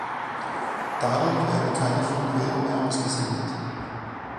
Dadurch werden keine Funkwellen mehr ausgesendet.